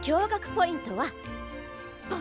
ポイントは？